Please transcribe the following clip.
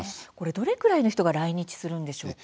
どれくらいの人が来日するんでしょうか？